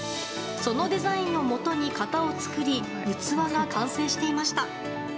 そのデザインをもとに型を作り器が完成していました。